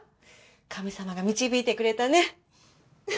神様が導いてくれたね。